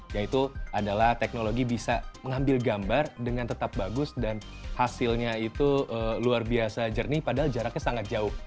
yaitu adalah teknologi bisa mengambil gambar dengan tetap bagus dan hasilnya itu luar biasa jernih padahal jaraknya sangat jauh